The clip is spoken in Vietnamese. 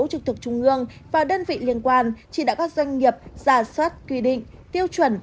trực thuộc trung ương và đơn vị liên quan chỉ đạo các doanh nghiệp giả soát quy định tiêu chuẩn